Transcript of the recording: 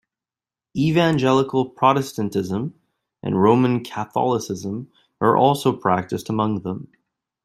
Evangelical Protestantism and Roman Catholicism are also practiced among them.